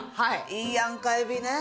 いいやんか、エビね。